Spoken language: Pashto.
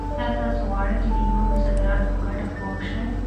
آیا تاسو غواړئ چې د مېوو د صادراتو په ګټه پوه شئ؟